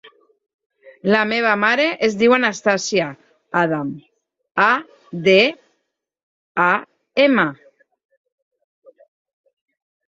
La meva mare es diu Anastàsia Adam: a, de, a, ema.